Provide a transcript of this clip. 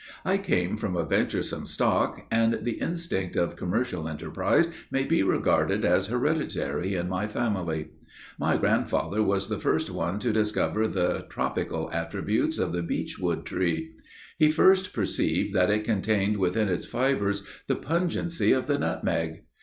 "I came from a venturesome stock, and the instinct of commercial enterprise may be regarded as hereditary in my family. My grandfather was the first one to discover the tropical attributes of the beech wood tree. He first perceived that it contained within its fibres the pungency of the nutmeg.